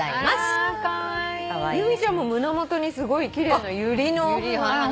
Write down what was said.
由美ちゃんも胸元にすごい奇麗なユリのお花。